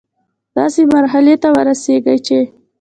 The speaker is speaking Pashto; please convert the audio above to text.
داسي مرحلې ته ورسيږي چي